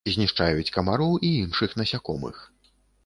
Знішчаюць камароў і іншых насякомых.